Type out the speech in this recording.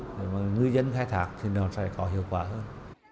nếu mà ngư dân khai thác thì nó sẽ có hiệu quả hơn